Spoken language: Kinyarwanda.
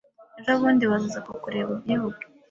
Ejo bundi bazaza kukureba ubyibuke